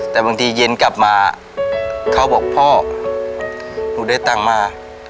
แต่บางทีเย็นกลับมาเขาบอกพ่อหนูได้ตังค์มา